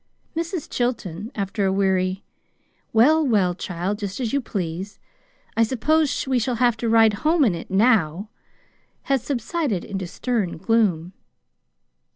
Mrs. Chilton, after a weary "Well, well, child, just as you please; I suppose we shall have to ride home in it now!" had subsided into stern gloom.